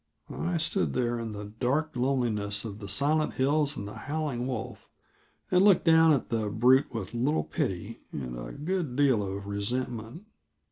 I stood there in the dark loneliness of the silent hills and the howling wolf, and looked down at the brute with little pity and a good deal of resentment.